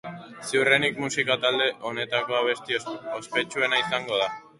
Ziurrenik musika talde honetako abesti ospetsuena izango da.